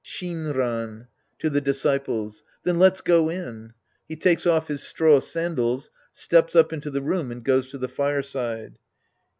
Shinran (to the disciples). Then let's go in. (He takes off his straw sandals, steps up into the room and goes to the fireside.